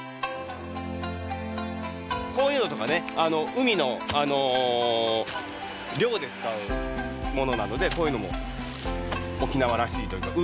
こういうのとかね海の漁で使うものなのでこういうのも沖縄らしいというか海のものですね。